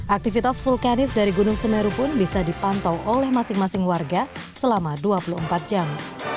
aktivitas vulkanis dari gunung semeru pun bisa dipantau oleh masing masing warga selama dua puluh empat jam